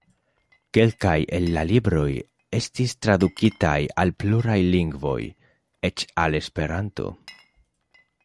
Kelkaj el la libroj estis tradukitaj al pluraj lingvoj, eĉ al Esperanto.